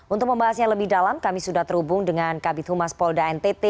untuk membahasnya lebih dalam kami sudah terhubung dengan kabit humas polda ntt